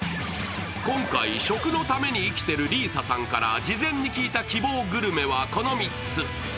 今回、食のために生きている里依紗さんから事前に聞いた希望グルメはこの３つ。